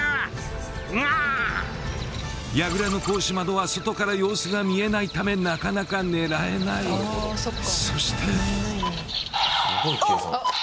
櫓の格子窓は外から様子が見えないためなかなか狙えないそしてあっ！